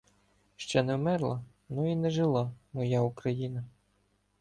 Ще не вмерла, но і не жила моя Україна